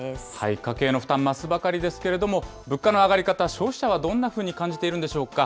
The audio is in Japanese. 家計の負担増すばかりですけれども、物価の上がり方、消費者はどんなふうに感じているんでしょうか。